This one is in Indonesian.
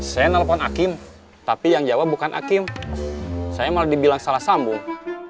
saya nelfon hakim tapi yang jawab bukan hakim saya malah dibilang salah sambung